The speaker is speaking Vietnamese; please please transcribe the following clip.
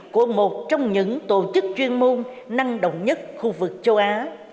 của một trong những tổ chức chuyên môn năng động nhất khu vực châu á